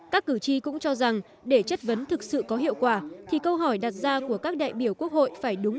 các cử tri cũng cho rằng để chất vấn thực sự có hiệu quả thì câu hỏi đặt ra của các đại biểu quốc hội phải đúng